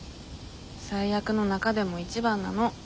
最悪の中でも一番なの。